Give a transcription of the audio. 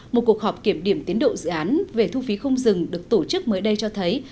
một cuộc họp kiểm điểm tiến độ dự án về thu phí không dừng được tổ chức mới đây cho thấy